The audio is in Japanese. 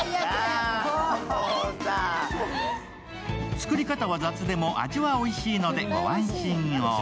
作り方は雑でも味はおいしいので、ご安心を。